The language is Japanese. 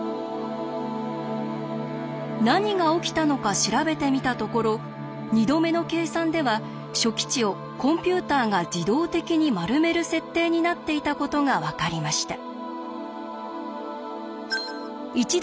何が起きたのか調べてみたところ２度目の計算では初期値をコンピューターが自動的に丸める設定になっていたことが分かりました。